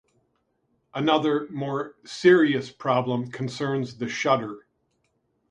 Another, more serious, problem concerns the shutter.